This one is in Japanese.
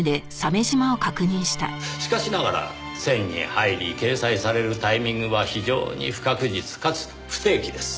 しかしながら選に入り掲載されるタイミングは非常に不確実かつ不定期です。